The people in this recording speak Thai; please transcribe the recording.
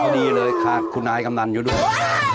ดีเลยค่ะคุณอายกำนันอยู่ด้วย